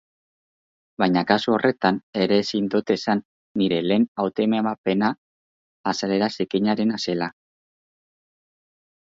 Baina kasu horretan ere ezin dut esan nire lehen hautemapena azalera zikinarena zela.